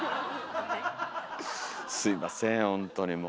すいませんほんとにもう。